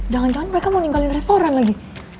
jangan jangan mereka mau ninggalin restoran lagi